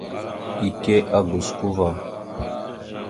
Ike a gosko ava.